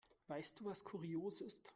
Weißt du, was kurios ist?